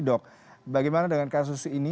dok bagaimana dengan kasus ini